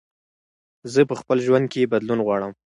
زه په خپل ژوند کې بدلون غواړم.